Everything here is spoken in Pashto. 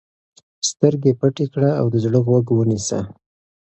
سترګې پټې کړه او د زړه غوږ ونیسه.